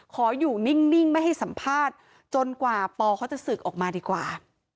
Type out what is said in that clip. ขออยู่นิ่งไม่ให้สัมภาษณ์จนกว่าปอเขาจะศึกออกมาดีกว่า